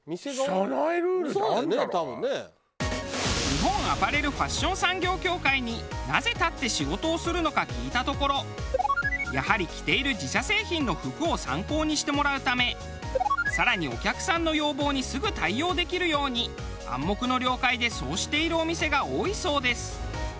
日本アパレル・ファッション産業協会になぜ立って仕事をするのか聞いたところやはり着ている自社製品の服を参考にしてもらうため更にお客さんの要望にすぐ対応できるように暗黙の了解でそうしているお店が多いそうです。